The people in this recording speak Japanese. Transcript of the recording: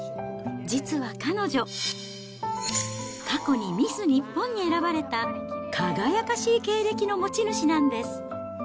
実は彼女、過去にミス日本に選ばれた輝かしい経歴の持ち主なんです。